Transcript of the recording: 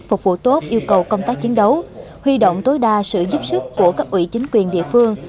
phục vụ tốt yêu cầu công tác chiến đấu huy động tối đa sự giúp sức của cấp ủy chính quyền địa phương